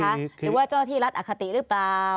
หรือว่าเจ้าที่รัฐอคติหรือเปล่า